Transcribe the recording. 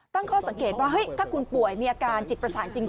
ตั้งข้อสังเกตว่าถ้าคุณป่วยมีอาการจิตประสาทจริง